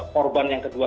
korban yang kedua